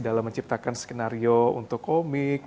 dalam menciptakan skenario untuk komik